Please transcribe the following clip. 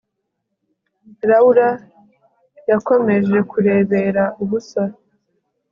Laura yakomeje kurebera ubusa